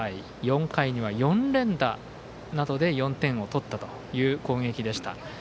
４回には４連打などで４点を取ったという攻撃でした。